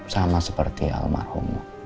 sama seperti almarhummu